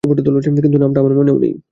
কিন্তু, নামটা আমারও মনে নেই।